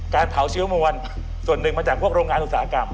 การเผาเชื้อมวลส่วนหนึ่งมาจากพวกโรงงานอุตสาหกรรม